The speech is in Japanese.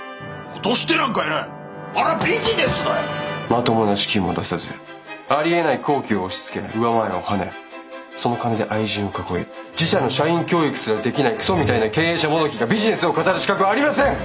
まともな資金も出さずありえない工期を押しつけ上前をはねその金で愛人を囲い自社の社員教育すらできないクソみたいな経営者もどきがビジネスを語る資格はありません！